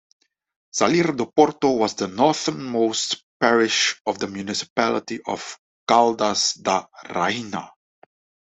Salir do Porto was the northernmost parish of the municipality of Caldas da Rainha.